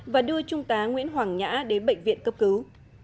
và đưa trung tá nguyễn hoàng nhã đến bệnh viện cấp cứu